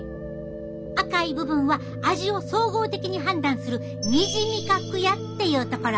赤い部分は味を総合的に判断する二次味覚野っていうところ。